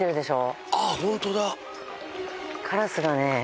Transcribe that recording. ホントだ。